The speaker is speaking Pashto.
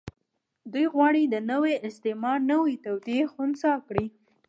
دوی غواړي د نوي استعمار نوې توطيې خنثی کړي.